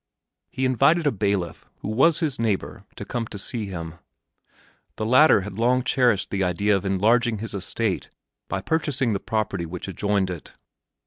He invited a bailiff, who was his neighbor, to come to see him. The latter had long cherished the idea of enlarging his estate by purchasing the property which adjoined it.